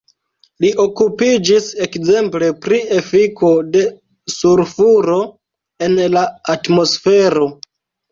Li okupiĝis ekzemple pri efiko de sulfuro en la atmosfero.